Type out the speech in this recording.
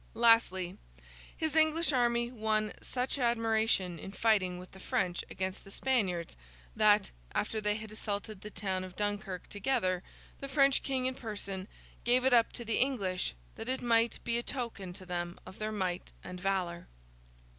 Lastly, his English army won such admiration in fighting with the French against the Spaniards, that, after they had assaulted the town of Dunkirk together, the French King in person gave it up to the English, that it might be a token to them of their might and valour.